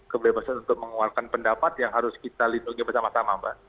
kebebasan untuk mengeluarkan pendapat yang harus kita lindungi bersama sama mbak